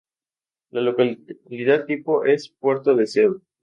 La localidad tipo es: Puerto Deseado.